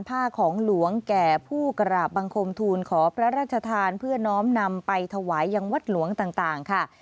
ผ้าของหลวงแก่ผู้กราบบังคมทูลขอพระราชทานเพื่อน้อมนำไปถวายยังวัดหลวงต่างค่ะ